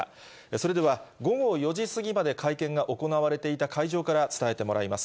それでは、午後４時過ぎまで会見が行われていた会場から伝えてもらいます。